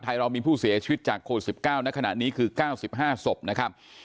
เรามีผู้เสียชีวิตจากโควิด๑๙ในขณะนี้คือ๙๕ศพนะครับ